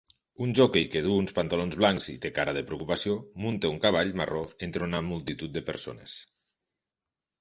Un joquei que duu uns pantalons blancs i té cara de preocupació munta un cavall marró entre una multitud de persones